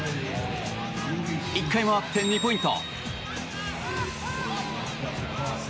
１回、回って２ポイント。